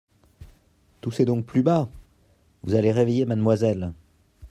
Toussez donc plus bas !… vous allez réveiller Mademoiselle…